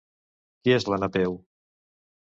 Qui és la Napeu?